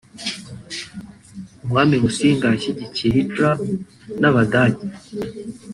umwami Musinga yashyigikiye Hitler n’abadage